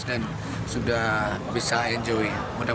dan sudah bisa enjoy